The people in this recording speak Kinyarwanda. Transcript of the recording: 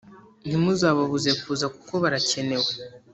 Ntimuzababuze kuza kuko barakenewe